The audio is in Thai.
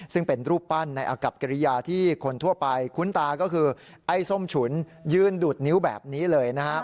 ซึ่งเป็นรูปปั้นในอากับกิริยาที่คนทั่วไปคุ้นตาก็คือไอ้ส้มฉุนยืนดูดนิ้วแบบนี้เลยนะครับ